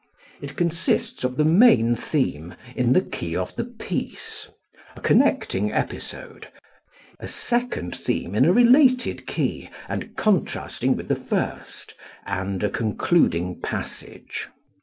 It consists of the main theme in the key of the piece, a connecting episode, a second theme in a related key and contrasting with the first, and a concluding passage.